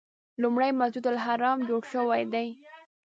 لومړی مسجد الحرام جوړ شوی دی.